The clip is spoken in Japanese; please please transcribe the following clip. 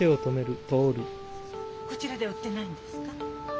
こちらでは売ってないんですか？